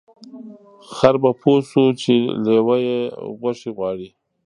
خر په پوه سوچی لېوه یې غوښي غواړي